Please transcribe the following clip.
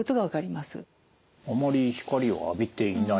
あまり光を浴びていない。